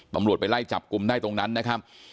ตำรวจไปไล่จับกลุ่มได้ตรงนั้นนะครับ